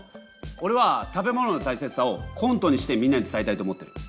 おれは食べ物のたいせつさをコントにしてみんなに伝えたいと思ってる。